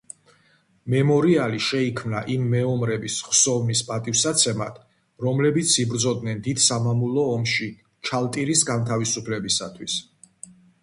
მემორიალი შეიქმნა იმ მეომრების ხსოვნის პატივსაცემად, რომლებიც იბრძოდნენ დიდ სამამულო ომში ჩალტირის განთავისუფლებისათვის.